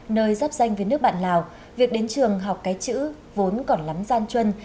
nơi dắp danh với nước bạn lào việc đến trường học cái chữ vốn còn lắm gian chuân